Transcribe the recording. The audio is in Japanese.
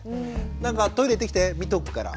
なんか「トイレ行ってきて見とくから」